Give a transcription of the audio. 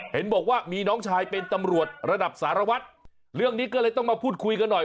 เห็นบอกว่ามีน้องชายเป็นตำรวจระดับสารวัตรเรื่องนี้ก็เลยต้องมาพูดคุยกันหน่อย